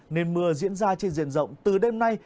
nên mưa diễn ra trên diện rộng từ đêm nay